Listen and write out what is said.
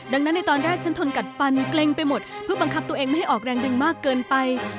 ดังนั้นในตอนแรกฉันทนกัดฟันเกร็งไปหมดเพื่อบังคับตัวเองไม่ให้ออกแรงดึงมากเกินไป